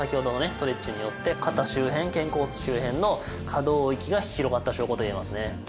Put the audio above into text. ストレッチによって肩周辺肩甲骨周辺の可動域が広がった証拠といえますね。